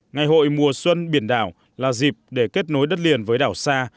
ngày hội mùa xuân biển đảo là dịp để kết nối đất liền với đảo xa